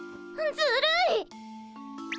ずるい？